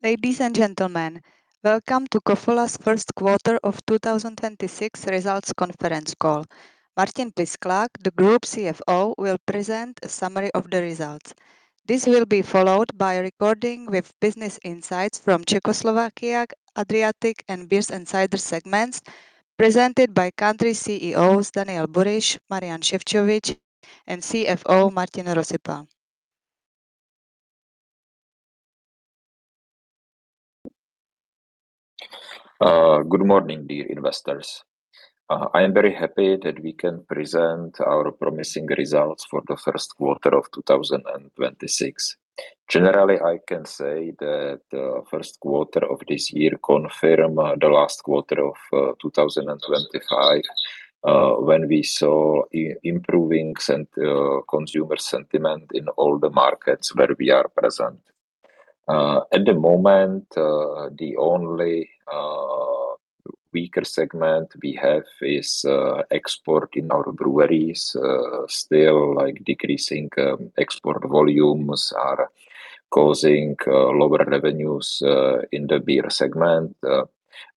Ladies and gentlemen, welcome to Kofola's first quarter of 2026 results conference call. Martin Pisklák, the Group Chief Financial Officer, will present a summary of the results. This will be followed by a recording with business insights from ČeskoSlovensko, Adriatic, and Beers & Ciders segments presented by country CEOs, Daniel Buryš, Marián Šefčovič, and CFO Martin Pisklák. Good morning, dear investors. I am very happy that we can present our promising results for the first quarter of 2026. Generally, I can say that the first quarter of this year confirm the last quarter of 2025, when we saw improving consumer sentiment in all the markets where we are present. At the moment, the only weaker segment we have is export in our breweries. Still decreasing export volumes are causing lower revenues in the beer segment.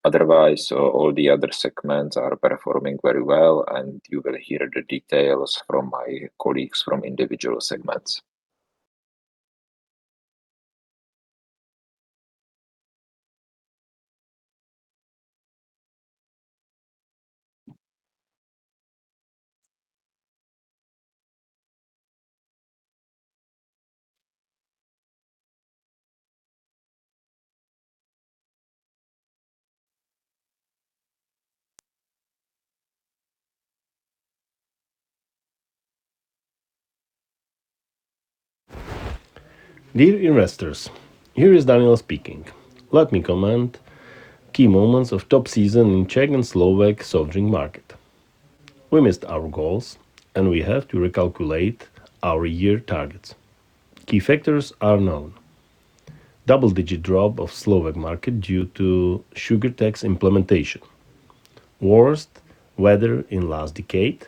Otherwise, all the other segments are performing very well, and you will hear the details from my colleagues from individual segments. Dear investors, here is Daniel speaking. Let me comment key moments of top season in Czech and Slovak soft drink market. We missed our goals. We have to recalculate our year targets. Key factors are known. Double-digit drop of Slovak market due to sugar tax implementation, worst weather in last decade,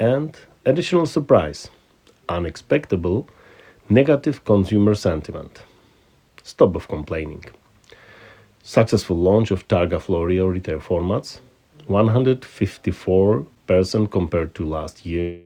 and additional surprise, unexpectable negative consumer sentiment. Stop of complaining. Successful launch of Targa Florio retail formats, 154% compared to last year.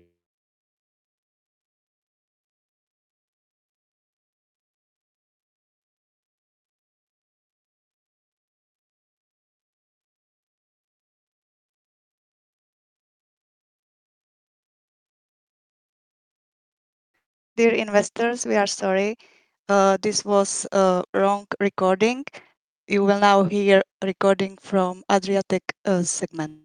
Dear investors, we are sorry. This was a wrong recording. You will now hear recording from Adriatic Segment.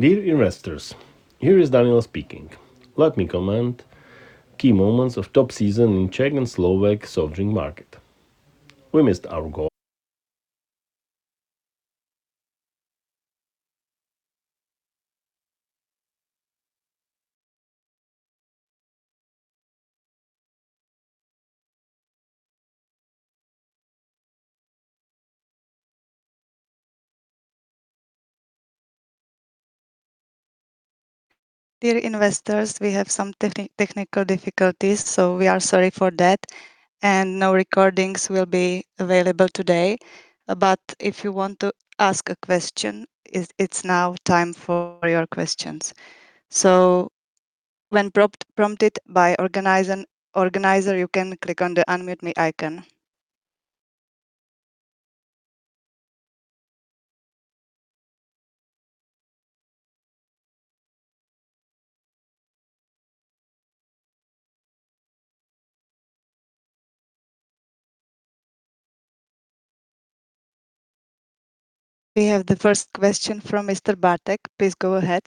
Dear investors, here is Daniel speaking. Let me comment key moments of top season in Czech and Slovak soft drink market. We missed our goal. Dear investors, we have some technical difficulties, so we are sorry for that, and no recordings will be available today. If you want to ask a question, it's now time for your questions. When prompted by organizer, you can click on the unmute me icon. We have the first question from Mr. Bartek. Please go ahead.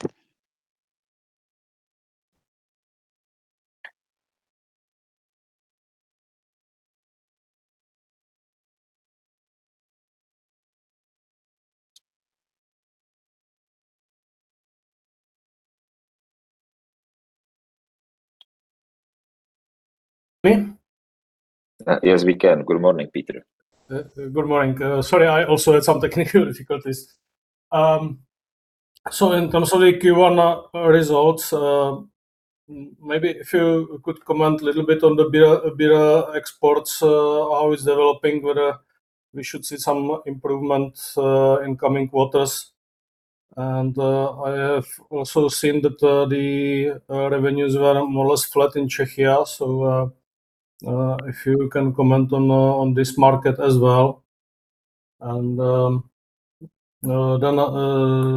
Yes, we can. Good morning, Peter. Good morning. Sorry, I also had some technical difficulties. In terms of the Q1 results, maybe if you could comment a little bit on the beer exports, how it's developing, whether we should see some improvement in coming quarters. I have also seen that the revenues were more or less flat in Czechia. If you can comment on this market as well.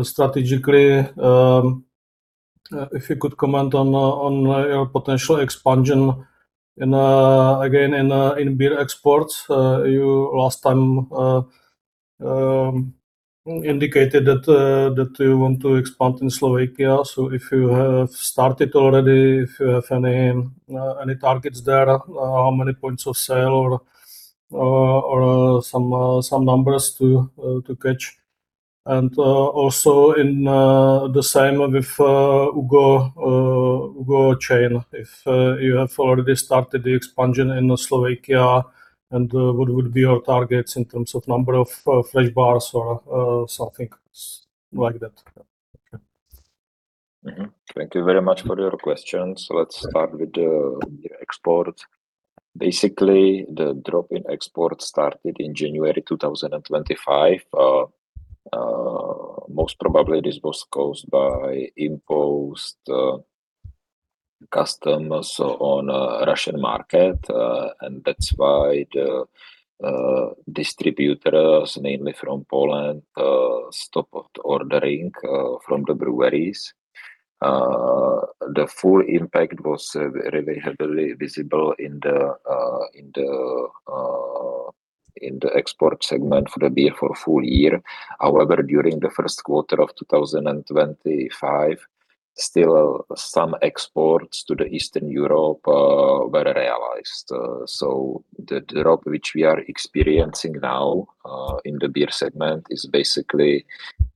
Strategically, if you could comment on your potential expansion in beer exports. Last time you indicated that you want to expand in Slovakia. If you have started already, if you have any targets there, how many points of sale or some numbers to catch? The same with UGO chain, if you have already started the expansion in Slovakia and what would be your targets in terms of number of fresh bars or something like that? Thank you very much for your questions. Let's start with the export. Basically, the drop in export started in January 2025. Most probably this was caused by imposed customs on Russian market, and that's why the distributors, mainly from Poland, stopped ordering from the breweries. The full impact was really heavily visible in the export segment for the beer for full year. However, during the first quarter of 2025, still some exports to Eastern Europe were realized. The drop which we are experiencing now in the beer segment is basically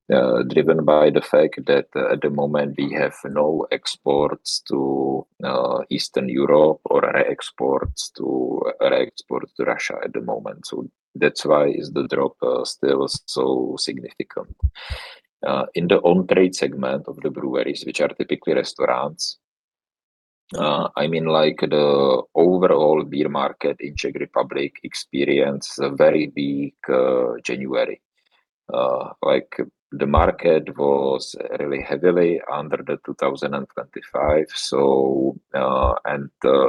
driven by the fact that at the moment we have no exports to Eastern Europe or exports to Russia at the moment. That's why is the drop still so significant. In the on-trade segment of the breweries, which are typically restaurants, the overall beer market in Czech Republic experienced a very weak January. The market was really heavily under the 2025.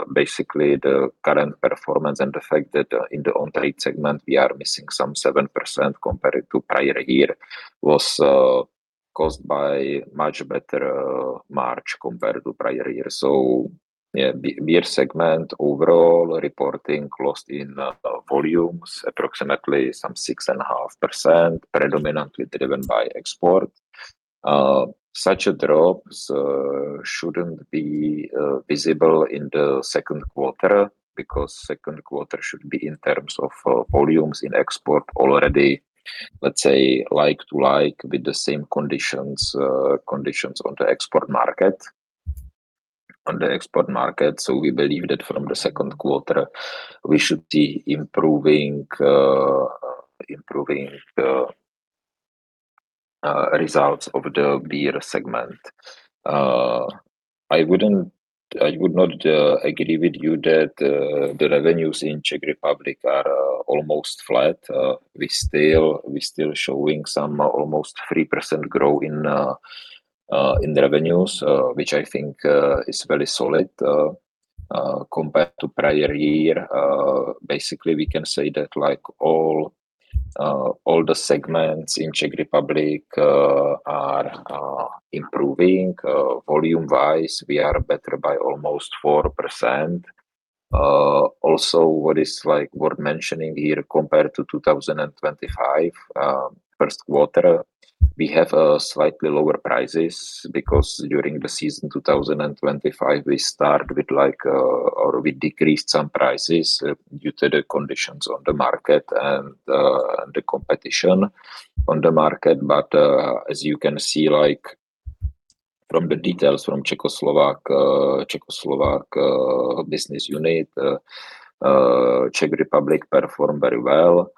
The current performance and the fact that in the on-trade segment, we are missing some 7% compared to prior year was caused by much better March compared to prior year. Beer segment overall reporting lost in volumes approximately some 6.5%, predominantly driven by export. Such a drop shouldn't be visible in the second quarter because second quarter should be in terms of volumes in export already, let's say, like to like with the same conditions on the export market. We believe that from the second quarter, we should see improving the results of the beer segment. I would not agree with you that the revenues in Czech Republic are almost flat. We still showing some almost 3% growth in revenues, which I think is very solid compared to prior year. We can say that all the segments in Czech Republic are improving. Volume wise, we are better by almost 4%. What is worth mentioning here compared to 2025 first quarter, we have slightly lower prices because during the season 2025, we decreased some prices due to the conditions on the market and the competition on the market. As you can see from the details from ČeskoSlovensko business unit, Czech Republic performed very well.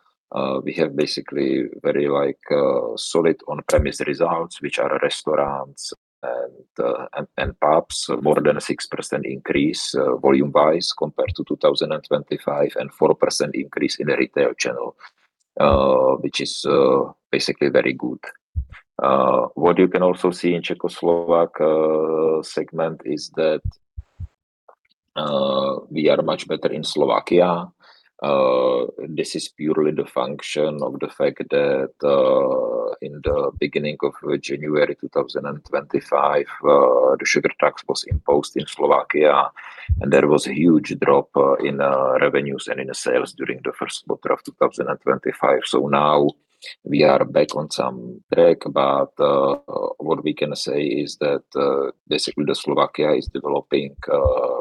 We have basically very solid on-premise results, which are restaurants and pubs, more than a 6% increase volume wise compared to 2025 and 4% increase in the retail channel, which is basically very good. What you can also see in ČeskoSlovensko segment is that we are much better in Slovakia. This is purely the function of the fact that in the beginning of January 2025, the sugar tax was imposed in Slovakia and there was a huge drop in revenues and in sales during the first quarter of 2025. Now we are back on some track. What we can say is that basically Slovakia is developing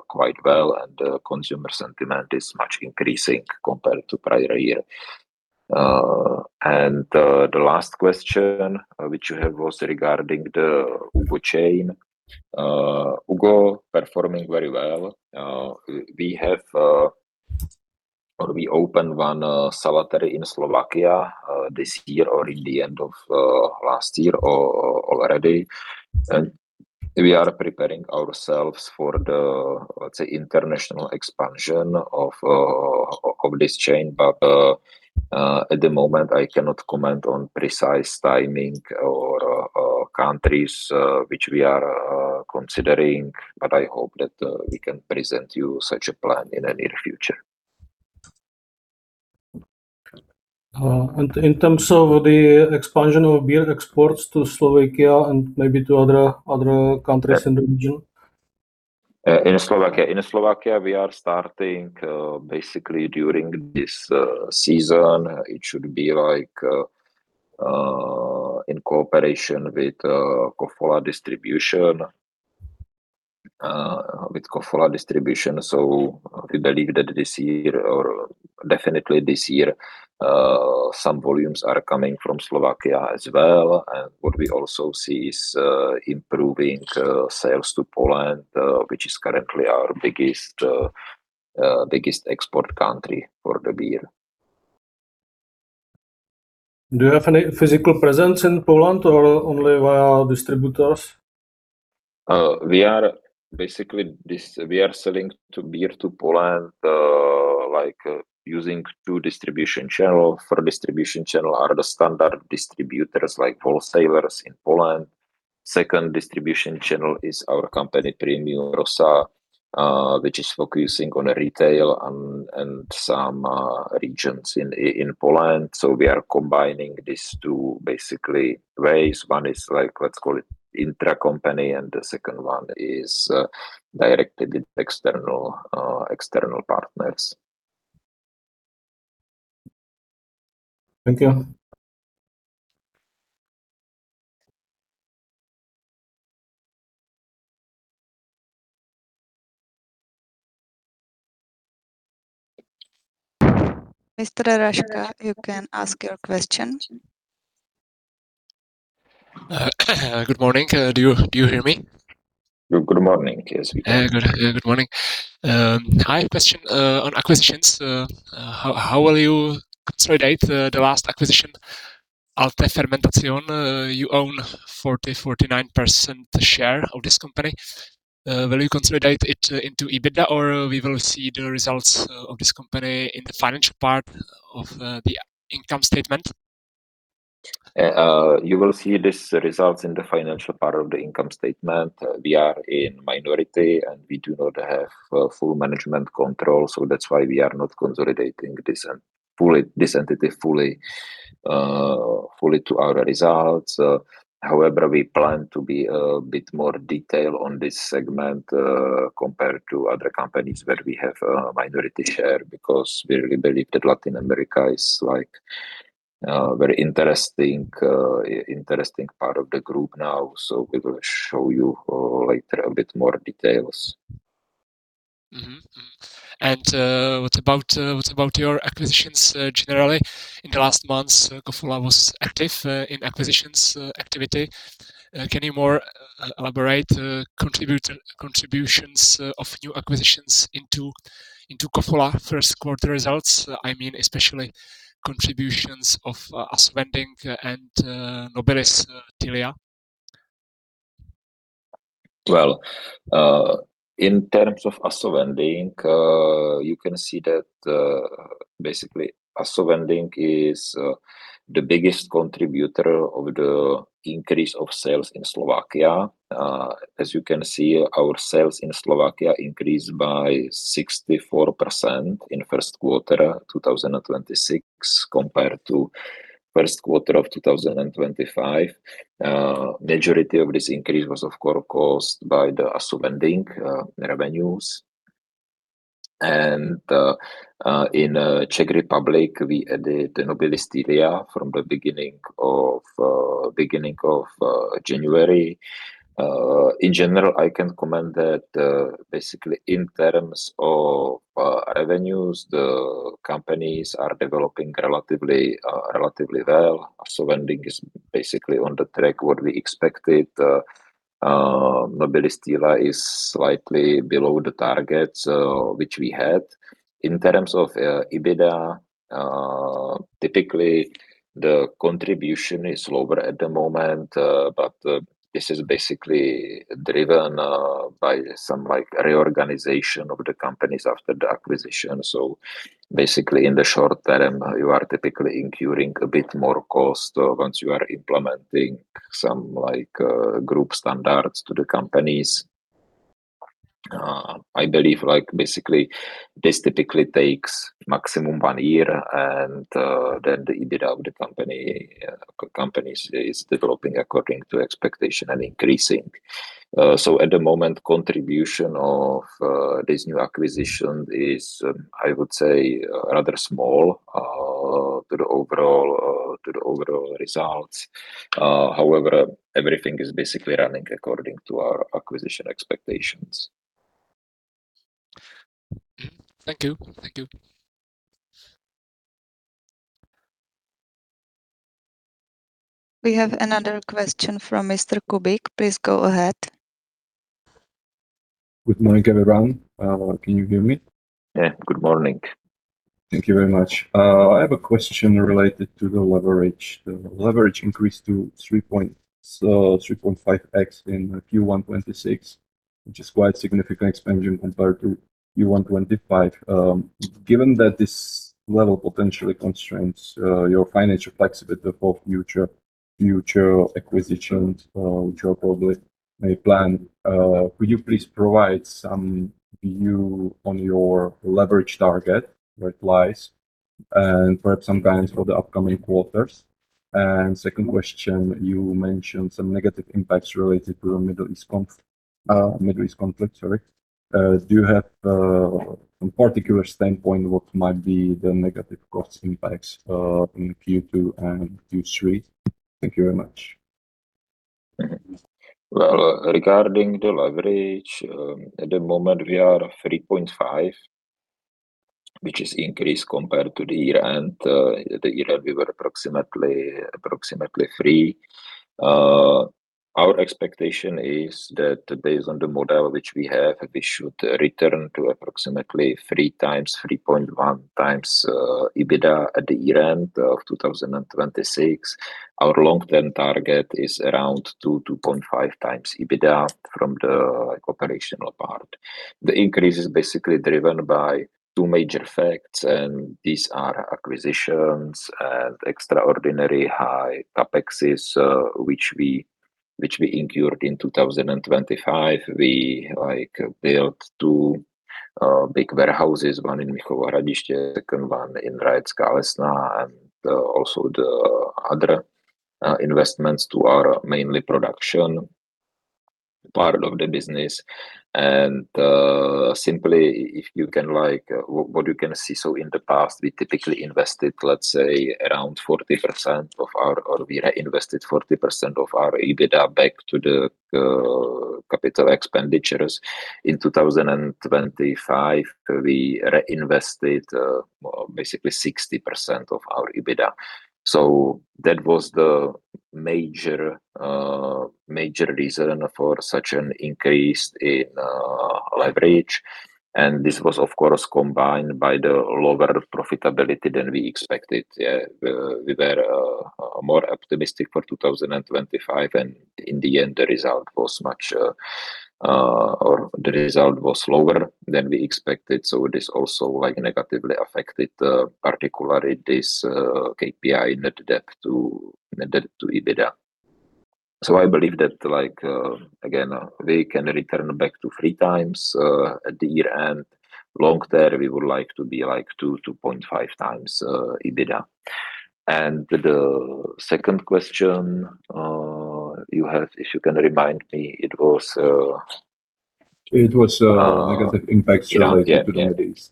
quite well and consumer sentiment is much increasing compared to prior year. The last question which you have was regarding the UGO chain. UGO performing very well. We opened one Salaterie in Slovakia this year or in the end of last year already. We are preparing ourselves for the, let's say, international expansion of this chain. At the moment, I cannot comment on precise timing or countries which we are considering. I hope that we can present you such a plan in the near future. In terms of the expansion of beer exports to Slovakia and maybe to other countries in the region? In Slovakia, we are starting basically during this season. It should be in cooperation with Kofola distribution. We believe that definitely this year some volumes are coming from Slovakia as well. What we also see is improving sales to Poland, which is currently our biggest export country for the beer. Do you have any physical presence in Poland or only via distributors? We are selling beer to Poland using two distribution channels. For distribution channels are the standard distributors like wholesalers in Poland. Second distribution channel is our company, Premium Rosa, which is focusing on retail and some regions in Poland. We are combining these two basically ways. One is intracompany and the second one is directly with external partners. Thank you. Mr. Raška, you can ask your question. Good morning. Do you hear me? Good morning. Yes, we can. Good morning. I have question on acquisitions. How will you consolidate the last acquisition Alta Fermentación? You own 40%, 49% share of this company. Will you consolidate it into EBITDA or we will see the results of this company in the financial part of the income statement? You will see these results in the financial part of the income statement. We are in minority and we do not have full management control, so that's why we are not consolidating this entity fully to our results. However, we plan to be a bit more detailed on this segment compared to other companies where we have a minority share because we really believe that Latin America is very interesting part of the group now. We will show you later a bit more details. What about your acquisitions generally? In the last months, Kofola was active in acquisitions activity. Can you elaborate contributions of new acquisitions into Kofola first quarter results? I mean, especially contributions of ASO VENDING and Nobilis Tilia. In terms of ASO VENDING, you can see that basically ASO VENDING is the biggest contributor of the increase of sales in Slovakia. As you can see, our sales in Slovakia increased by 64% in first quarter 2026 compared to first quarter of 2025. Majority of this increase was of course caused by the ASO VENDING revenues. In Czech Republic, we added Nobilis Tilia from the beginning of January. In general, I can comment that basically in terms of revenues, the companies are developing relatively well. ASO VENDING is basically on the track what we expected. Nobilis Tilia is slightly below the targets which we had. In terms of EBITDA, typically the contribution is lower at the moment. This is basically driven by some reorganization of the companies after the acquisition. Basically in the short term, you are typically incurring a bit more cost once you are implementing some group standards to the companies. I believe this typically takes maximum one year and then the EBITDA of the companies is developing according to expectation and increasing. At the moment, contribution of this new acquisition is, I would say, rather small to the overall results. However, everything is basically running according to our acquisition expectations. Thank you. We have another question from Mr. Kubik. Please go ahead. Good morning, everyone. Can you hear me? Yeah. Good morning. Thank you very much. I have a question related to the leverage. The leverage increased to 3.5x in Q1 2026, which is quite significant expansion compared to Q1 2025. Given that this level potentially constrains your financial flexibility for future acquisitions which are probably a plan. Could you please provide some view on your leverage target where it lies and perhaps some guidance for the upcoming quarters? Second question, you mentioned some negative impacts related to the Middle East conflict. Do you have some particular standpoint what might be the negative cost impacts in Q2 and Q3? Thank you very much. Well, regarding the leverage, at the moment we are 3.5x, which is increased compared to the year-end. The year-end we were approximately 3x. Our expectation is that based on the model which we have, we should return to approximately 3x, 3.1x EBITDA at the year-end of 2026. Our long-term target is around two, 2.5x EBITDA from the operational part. The increase is basically driven by two major facts, and these are acquisitions and extraordinary high CapExes which we incurred in 2025. We built two big warehouses, one in Mnichovo Hradiště, second one in Rajecká Lesná, and also the other investments to our mainly production part of the business. Simply, what you can see, so in the past we typically invested, let's say, around 40% of our, or we reinvested 40% of our EBITDA back to the capital expenditures. In 2025, we reinvested basically 60% of our EBITDA. That was the major reason for such an increase in leverage. This was of course combined by the lower profitability than we expected. We were more optimistic for 2025 and in the end, the result was lower than we expected. This also negatively affected particularly this KPI net debt to EBITDA. I believe that, again, we can return back to 3x at the year-end. Long term, we would like to be 2x, 2.5x EBITDA. The second question you have. It was negative impacts related to the Middle East.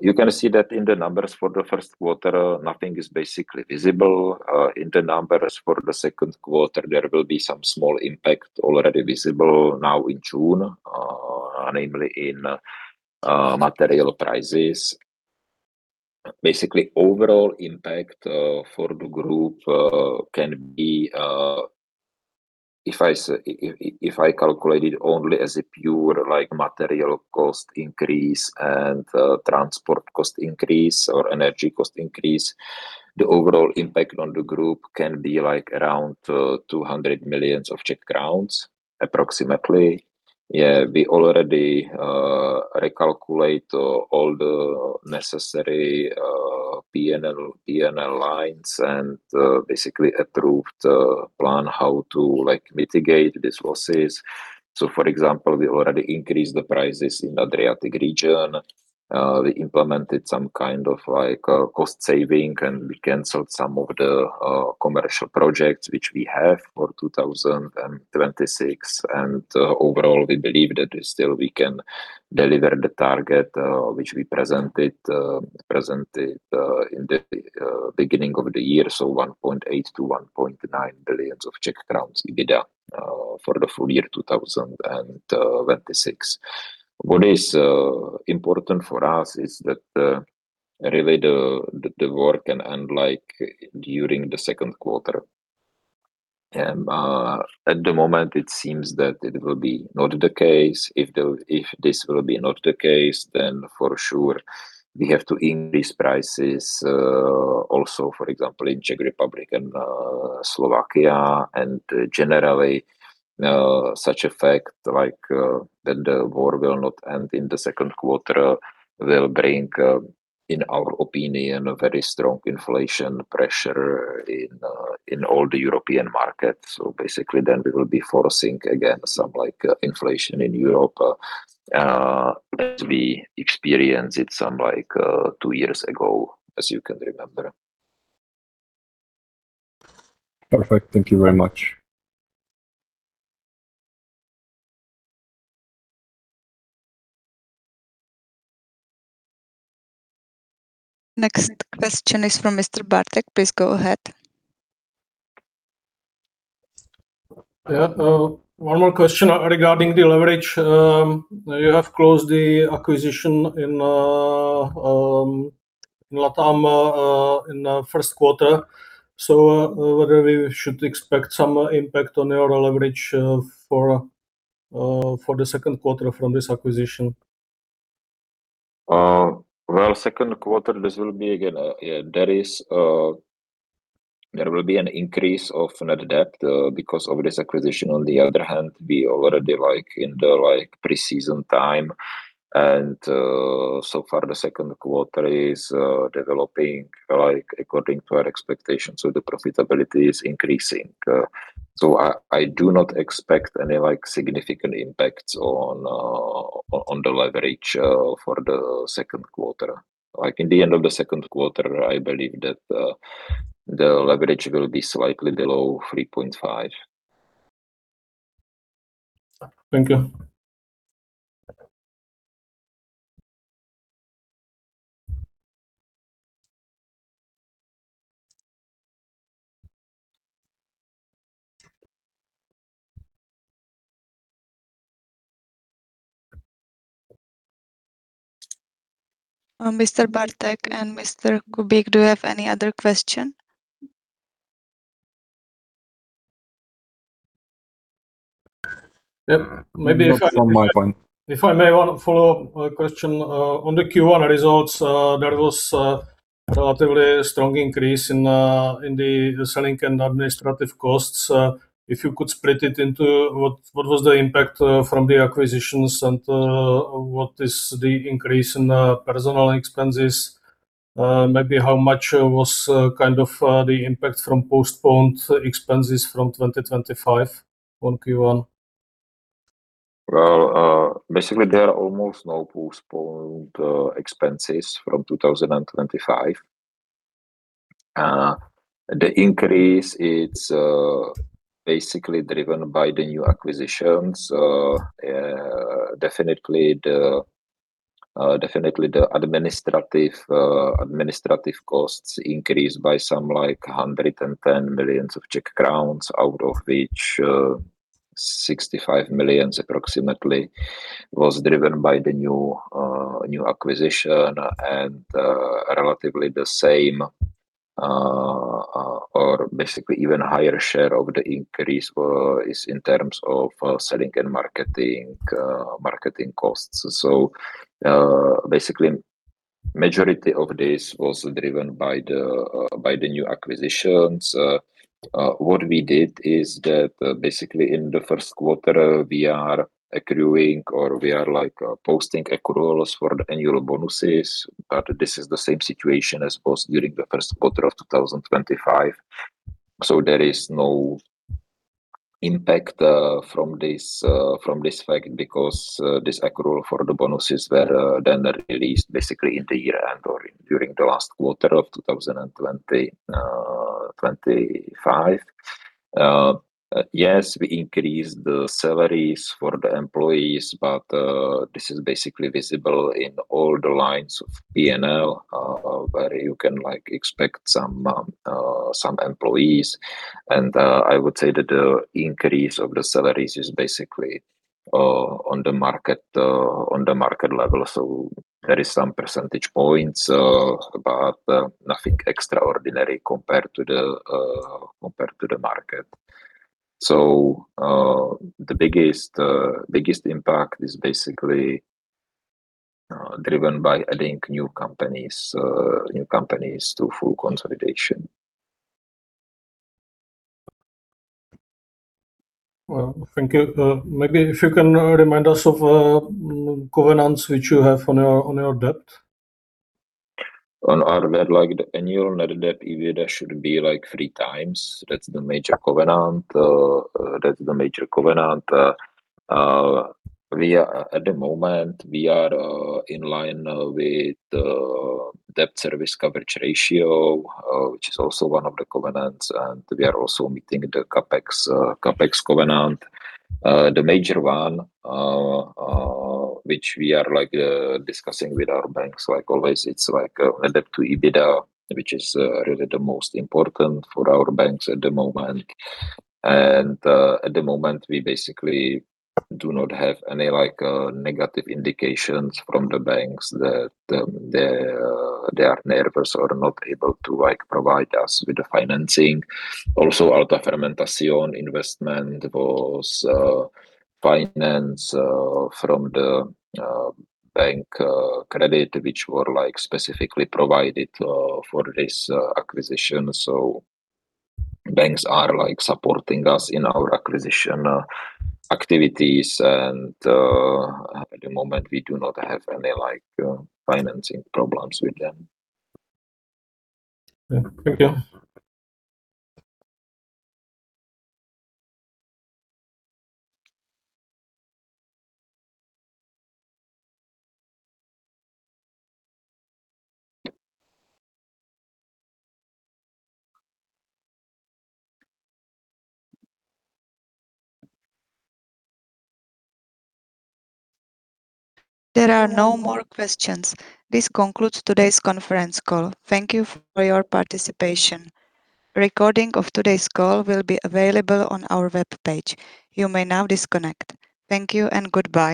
You can see that in the numbers for the first quarter, nothing is basically visible. In the numbers for the second quarter, there will be some small impact already visible now in June namely in material prices. Basically, overall impact for the group can be, if I calculate it only as a pure material cost increase and transport cost increase or energy cost increase, the overall impact on the group can be around 200 million approximately. We already recalculate all the necessary P&L lines and basically approved plan how to mitigate these losses. For example, we already increased the prices in Adriatic region. We implemented some kind of cost saving, and we canceled some of the commercial projects which we have for 2026. Overall, we believe that still we can deliver the target which we presented in the beginning of the year. 1.8 billion-1.9 billion EBITDA for the full year 2026. What is important for us is that really the war can end during the second quarter. At the moment, it seems that it will be not the case. If this will be not the case, then for sure we have to increase prices also, for example, in Czech Republic and Slovakia. Generally, such effect that the war will not end in the second quarter will bring, in our opinion, a very strong inflation pressure in all the European markets. Basically then we will be forcing again some inflation in Europe as we experienced it some two years ago, as you can remember. Perfect. Thank you very much. Next question is from Mr. Bartek. Please go ahead. Yeah. One more question regarding the leverage. You have closed the acquisition in LATAM in first quarter, so whether we should expect some impact on your leverage for the second quarter from this acquisition? Second quarter, this will be again, there will be an increase of net debt because of this acquisition. On the other hand, we are already in the preseason time, and so far the second quarter is developing according to our expectations. The profitability is increasing. I do not expect any significant impacts on the leverage for the second quarter. In the end of the second quarter, I believe that the leverage will be slightly below 3.5x. Thank you. Mr. Bartek and Mr. Kubik, do you have any other question? Yeah. Not from my point. If I may want to follow up question? On the Q1 results, there was a relatively strong increase in the selling and administrative costs. If you could split it into what was the impact from the acquisitions and what is the increase in personal expenses, maybe how much was the impact from postponed expenses from 2025 on Q1? Well, basically, there are almost no postponed expenses from 2025. The increase, it is basically driven by the new acquisitions. The administrative costs increased by some 110 million, out of which 65 million approximately was driven by the new acquisition and relatively the same or basically even higher share of the increase is in terms of selling and marketing costs. Basically, majority of this was driven by the new acquisitions. What we did is that basically in the first quarter, we are accruing or we are posting accruals for the annual bonuses, this is the same situation as was during the first quarter of 2025. There is no impact from this fact because this accrual for the bonuses were then released basically in the year end or during the last quarter of 2025. We increased the salaries for the employees, but this is basically visible in all the lines of P&L, where you can expect some employees. I would say that the increase of the salaries is basically on the market level. There is some percentage points, but nothing extraordinary compared to the market. The biggest impact is basically driven by adding new companies to full consolidation. Well, thank you. Maybe if you can remind us of covenants which you have on your debt? On our net, the annual net debt to EBITDA should be 3x. That's the major covenant. At the moment, we are in line with the debt service coverage ratio, which is also one of the covenants, and we are also meeting the CapEx covenant. The major one, which we are discussing with our banks, like always, it's like a debt to EBITDA, which is really the most important for our banks at the moment. At the moment, we basically do not have any negative indications from the banks that they are nervous or not able to provide us with the financing. Also, Alta Fermentación investment was financed from the bank credit, which were specifically provided for this acquisition. Banks are supporting us in our acquisition activities, and at the moment, we do not have any financing problems with them. Yeah. Thank you. There are no more questions. This concludes today's conference call. Thank you for your participation. A recording of today's call will be available on our webpage. You may now disconnect. Thank you and goodbye.